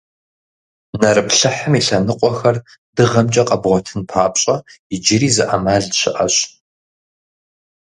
Нэрыплъыхьым и лъэныкъуэхэр дыгъэмкӀэ къэбгъуэтын папщӀэ, иджыри зы Ӏэмал щыӀэщ.